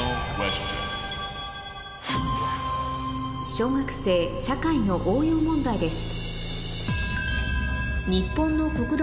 小学生社会の応用問題です